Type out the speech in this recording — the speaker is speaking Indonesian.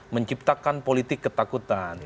menciptakan politik ketakutan